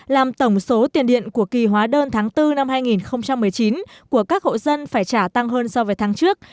làm tổng số tiền điện của kỳ hóa đơn tháng bốn năm hai nghìn một mươi chín của các hộ dân phải trả tăng hơn so với tháng trước